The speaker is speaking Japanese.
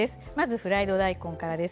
フライド大根からです。